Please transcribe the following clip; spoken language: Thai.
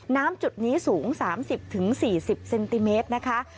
จุดนี้สูง๓๐๔๐เซนติเมตรนะคะ